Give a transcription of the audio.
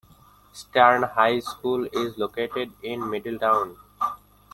Eastern High School is located in Middletown.